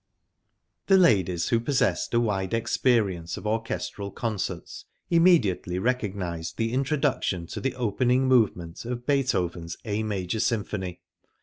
The ladies, who possessed a wide experience of orchestral concerts, immediately recognised the Introduction to the opening movement of Beethoven's A major Symphony.